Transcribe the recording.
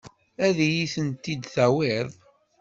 Ad iyi-ten-id-tawiḍ?